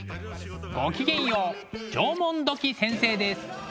ごきげんよう縄文土器先生です。